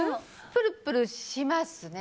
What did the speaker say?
プルプルしますね。